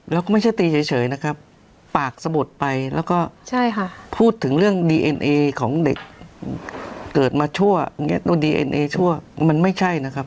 แล้วก็ไม่ใช่ตีเฉยนะครับปากสะบดไปแล้วก็พูดถึงเรื่องดีเอ็นเอของเด็กเกิดมาชั่วดูดีเอ็นเอชั่วมันไม่ใช่นะครับ